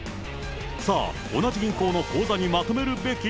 さあ、同じ銀行の口座にまとめるべき？